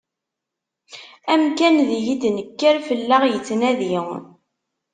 Amkan deg i d-nekker, fell-aɣ yettnadi.